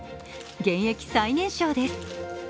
現役最年少です。